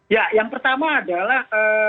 ya yang pertama adalah